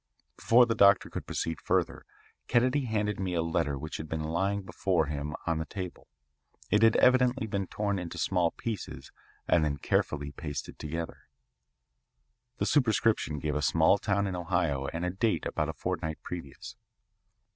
Before the doctor could proceed further, Kennedy handed me a letter which had been lying before him on the table. It had evidently been torn into small pieces and then carefully pasted together. The superscription gave a small town in Ohio and a date about a fortnight previous.